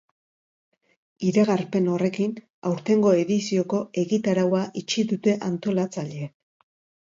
Iragarpen horrekin, aurtengo edizioko egitaraua itxi dute antolatzaileek.